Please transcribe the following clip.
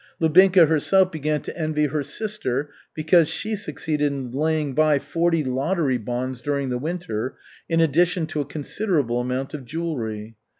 Lubinka herself began to envy her sister, because she succeeded in laying by forty lottery bonds during the winter in addition to a considerable amount of jewelry.